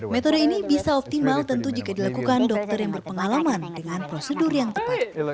metode ini bisa optimal tentu jika dilakukan dokter yang berpengalaman dengan prosedur yang tepat